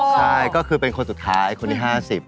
ใช่ก็คือเป็นคนสุดท้ายคนที่๕๐